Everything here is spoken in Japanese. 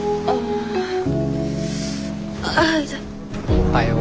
おはよう。